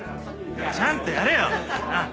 ちゃんとやれよなっ。